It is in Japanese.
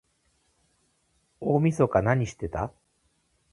大晦日なにしてた？